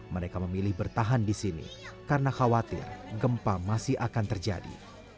mereka memilih bertahan di sini karena khawatir gempa masih akan terjadi